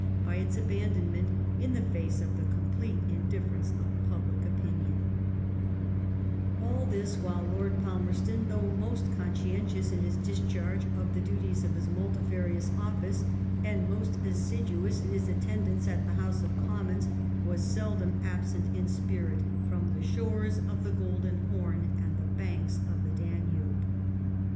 by its abandonment in the face of the complete indif ference of public opinion* All this while Lord Falmerston, thoagh most con ^ soientions in his discharge of the duties of his multi ^ farious o£Sce, and most assiduous in his attendance at the House of Commons^ was seldom absent in spirit from the shores of the Golden Horn and the banks of th&* Danube.